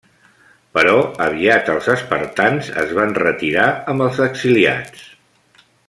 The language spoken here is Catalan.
Però aviat els espartans es van retirar amb els exiliats.